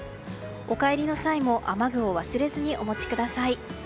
お帰りの際も雨具を忘れずにお持ちください。